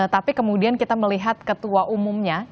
tapi kemudian kita melihat ketua umumnya